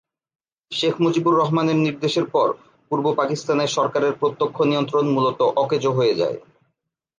শেখ মুজিবুর রহমানের নির্দেশের পর পূর্ব পাকিস্তানে সরকারের প্রত্যক্ষ নিয়ন্ত্রণ মূলত অকেজো হয়ে যায়।